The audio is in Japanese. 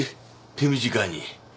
手短に。